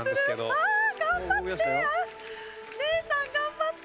あ頑張って！